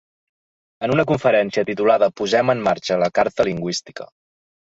En una conferència titulada Posem en marxa la ‘Carta lingüística’.